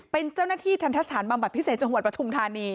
เป็นเจ้าหน้าที่ทันทสถานบำบัดพิเศษจังหวัดปฐุมธานี